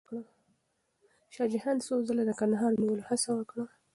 شاه جهان څو ځله د کندهار د نیولو هڅه وکړه.